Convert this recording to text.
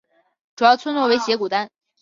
主要村落为斜古丹。